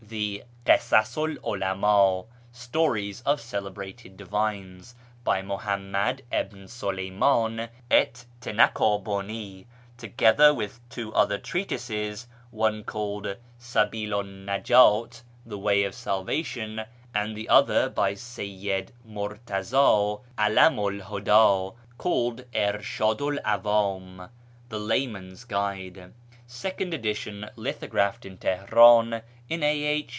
The Kismu 'l Ulamd (" Stories of Celebrated Divines "), by Muhammad ibn Suleyman et Tanakabuni, together with two other treatises, one called Sabilun najdt (" The Way of Salvation "), and the other, by Seyyid Murtaza 'Alamu 'l Hvdd, called Irshddii 'l 'Awdmm (" The Layman's Guide "). Second edition, lithographed in Teheran in a.h.